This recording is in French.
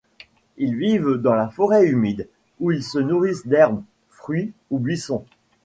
Ils vivent dans la forêt humide, où ils se nourrissent d'herbe, fruits ou buissons.